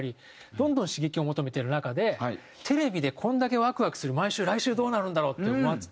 どんどん刺激を求めてる中でテレビでこれだけワクワクする毎週来週どうなるんだろう？って思わせて。